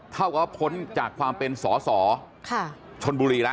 เท่ากับความเป็นสอชนบุรีละ